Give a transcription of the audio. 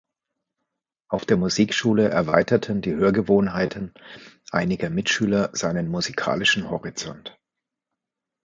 Auf der Musikschule erweiterten die Hörgewohnheiten einiger Mitschüler seinen musikalischen Horizont.